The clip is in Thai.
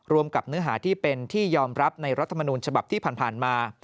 กับเนื้อหาที่เป็นที่ยอมรับในรัฐมนูญฉบับที่ผ่านมา